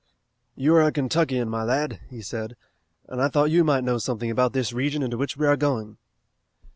"You are a Kentuckian, my lad," he said, "and I thought you might know something about this region into which we are going."